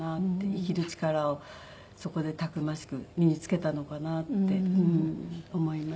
生きる力をそこでたくましく身につけたのかなって思います。